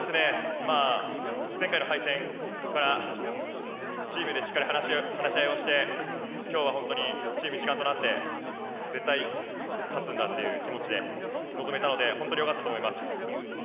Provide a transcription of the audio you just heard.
前回の敗戦からチームでしっかり話し合いをして今日はチーム一丸となって絶対に勝つんだという気持ちで臨めたので本当に良かったと思います。